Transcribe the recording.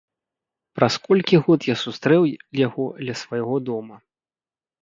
Праз колькі год я сустрэў яго ля свайго дома.